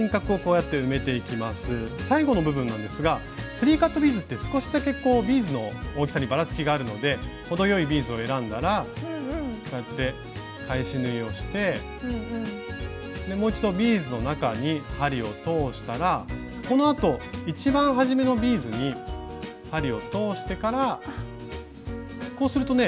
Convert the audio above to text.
最後の部分なんですがスリーカットビーズって少しだけビーズの大きさにバラつきがあるので程よいビーズを選んだらこうやって返し縫いをしてもう一度ビーズの中に針を通したらこのあと一番初めのビーズに針を通してからこうするとね流れがきれいにまとまるので。